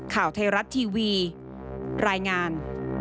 ข่าวไทยรัฐทีวีรายงาน